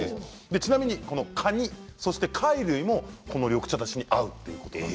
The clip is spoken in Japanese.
ちなみにカニや貝類もこの緑茶だしに合うということなんです。